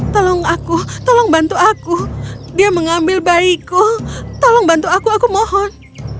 tolong aku tolong bantu aku dia mengambil bayiku tolong bantu aku aku mohon